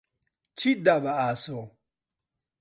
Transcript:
چیت دا بە ئاسۆ؟